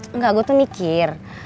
enggak gue tuh mikir